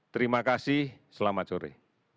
terima kasih selamat sore